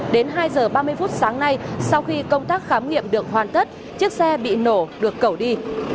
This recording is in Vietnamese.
đến hai giờ ba mươi phút sáng nay sau khi công tác khám nghiệm được hoàn tất chiếc xe bị nổ được cẩu đi